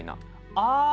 ああ！